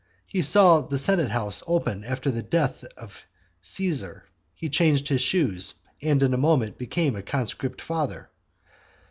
He saw the senate house open after the death of Caesar, he changed his shoes, and in a moment became a conscript father.